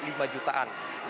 jadi bisa potongan harganya ya